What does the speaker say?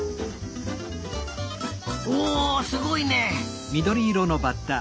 おおすごいね！